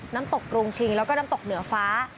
น้ำตกกรุงชิงแล้วก็น้ำตกเหนือฟ้า